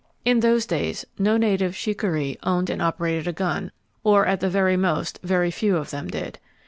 In those days no native shikaree owned and operated a gun,—or at the most very, very few of them did.